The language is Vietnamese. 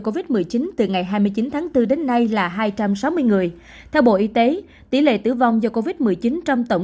covid một mươi chín từ ngày hai mươi chín tháng bốn đến nay là hai trăm sáu mươi người theo bộ y tế tỷ lệ tử vong do covid một mươi chín trong tổng